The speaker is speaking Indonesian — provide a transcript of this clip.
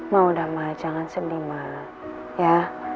ma udah ma jangan sedih ma ya